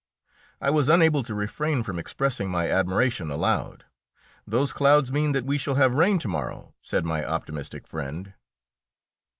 I was unable to refrain from expressing my admiration aloud. "Those clouds mean that we shall have rain to morrow," said my optimistic friend.